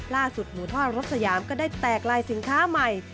หมูทอดรถสยามก็ได้แตกลายสินค้าใหม่